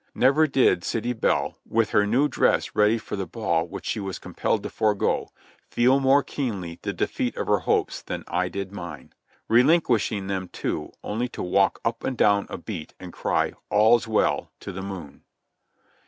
Never did city belle, with her new dress ready for the ball which she was compelled to forego, feel more keenly the defeat of her hopes than I did mine ; relinquish ing them, too, only to walk up and down a beat and cry "All's well" to the moon.